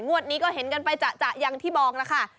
งวดนี้ก็เห็นกันไปจะอย่างที่มองนะคะ